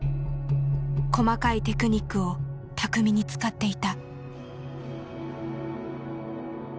細かいテクニックを巧みに使っていた。